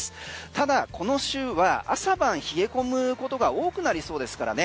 ただ、この週は朝晩冷え込むことが多くなりそうですからね。